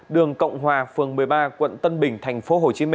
đường cộng hòa phường một mươi ba quận tân bình tp hcm